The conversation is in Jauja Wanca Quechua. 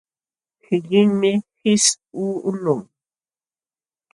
Qilinmi qisququlqun.